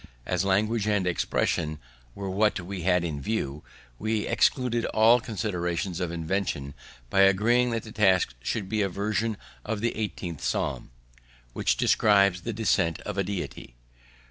As language and expression were what we had in view, we excluded all considerations of invention by agreeing that the task should be a version of the eighteenth Psalm, which describes the descent of a Deity.